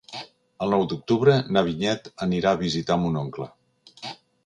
El nou d'octubre na Vinyet anirà a visitar mon oncle.